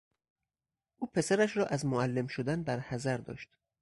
او پسرش را از معلم شدن برحذر داشت.